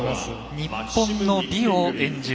日本の美を演じる。